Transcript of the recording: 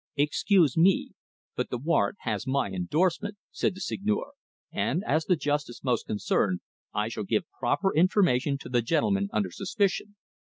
"Excuse me, but the warrant has my endorsement," said the Seigneur, "and, as the justice most concerned, I shall give proper information to the gentleman under suspicion."